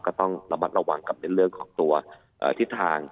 ก็ต้องระมัดระวังกับในเรื่องของตัวทิศทาง